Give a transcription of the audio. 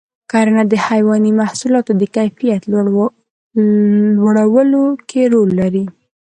کرنه د حیواني محصولاتو د کیفیت لوړولو کې رول لري.